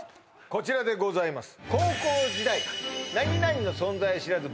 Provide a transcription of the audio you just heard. こちらでございます